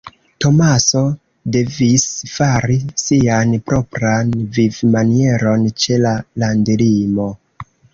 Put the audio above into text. Tomaso devis fari sian propran vivmanieron ĉe la landlimo.